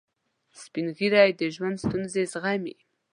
سپین ږیری د ژوند ستونزې زغمي